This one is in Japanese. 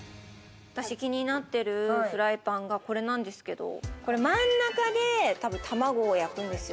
気になってるフライパンがこれなんですけれど、真ん中で卵を焼くんですよ。